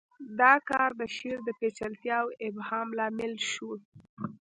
دا کار د شعر د پیچلتیا او ابهام لامل شو